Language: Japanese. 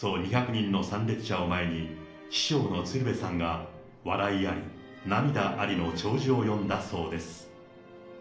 およそ２００人の参列者を前に、師匠の鶴瓶さんが、笑いあり涙ありの弔辞を読んだそうです。